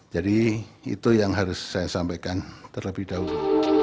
itu yang harus saya sampaikan terlebih dahulu